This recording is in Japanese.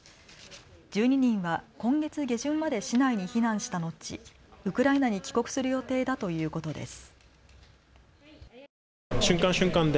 １２人は今月下旬まで市内に避難した後、ウクライナに帰国する予定だということです。